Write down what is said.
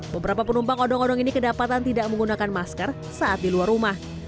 beberapa penumpang odong odong ini kedapatan tidak menggunakan masker saat di luar rumah